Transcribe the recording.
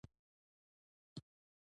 د سفر پر مهال د وخت تنظیم ډېر مهم دی.